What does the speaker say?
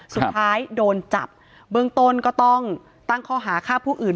สุดท้ายโดนจับเบื้องต้นก็ต้องตั้งข้อหาฆ่าผู้อื่น